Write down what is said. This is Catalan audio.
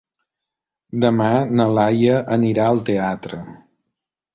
Demà na Laia anirà al teatre.